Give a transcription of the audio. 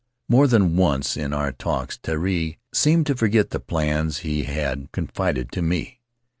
More than once in our talks Terii seemed to forget the plans he had confided to me.